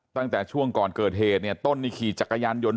ตั้งแต่ช่วงก่อนเกิดเหตุเนี่ยต้นนี่ขี่จักรยานยนต์